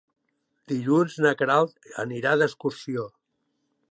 Dilluns na Queralt anirà d'excursió.